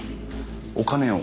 お金を？